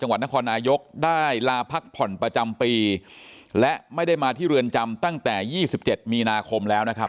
จังหวัดนครนายกได้ลาพักผ่อนประจำปีและไม่ได้มาที่เรือนจำตั้งแต่ยี่สิบเจ็ดมีนาคมแล้วนะครับ